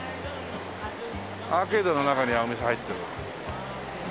アーケードの中にはお店入ってる。